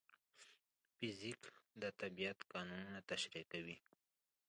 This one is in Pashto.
فزیک د طبیعت قانونونه تشریح کوي.